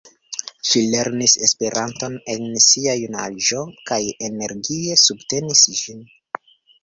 Ŝi lernis Esperanton en sia junaĝo kaj energie subtenis ĝin.